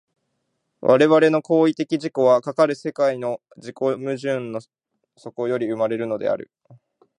我々の行為的自己は、かかる世界の自己矛盾の底より生まれるのである。